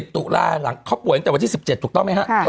ตุลาหลังเขาป่วยตั้งแต่วันที่๑๗ถูกต้องไหมครับ